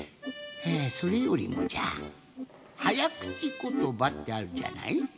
それよりもじゃはやくちことばってあるじゃない？